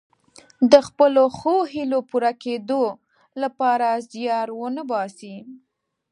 د خپلو ښو هیلو پوره کیدو لپاره زیار ونه باسي.